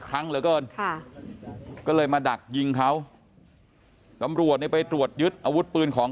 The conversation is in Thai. ครั้งเหลือเกินค่ะก็เลยมาดักยิงเขาตำรวจเนี่ยไปตรวจยึดอาวุธปืนของ